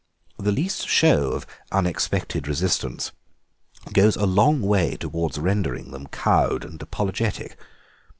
The least show of unexpected resistance goes a long way towards rendering them cowed and apologetic.